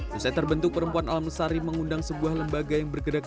hai saya terbentuk perempuan alam lestari mengundang sebuah lembaga yang bergerak